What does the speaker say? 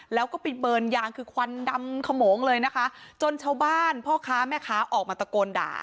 แล้วก็ไปเบิร์นยางคือควันดำขโมงเลยนะคะจนชาวบ้านพ่อค้าแม่ค้าออกมาตะโกนด่า